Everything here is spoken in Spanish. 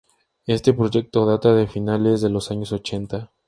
Este proyecto data de finales de los años ochenta.